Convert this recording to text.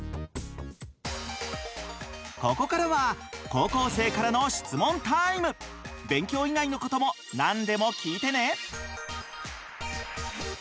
ここからは高校生からの勉強以外のことも何でも聞いてね！